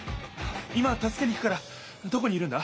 今たすけに行くからどこにいるんだ？